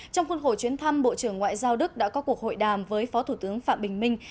trong khuôn khổ chuyến thăm bộ trưởng ngoại giao đức đã có cuộc hội đàm với phó thủ tướng phạm bình minh